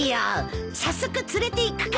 早速連れていくから。